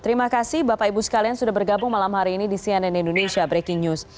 terima kasih bapak ibu sekalian sudah bergabung malam hari ini di cnn indonesia breaking news